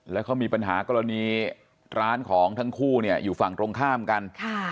แล้วเขามีปัญหากรณีร้านของทั้งคู่เนี่ยอยู่ฝั่งตรงข้ามกัน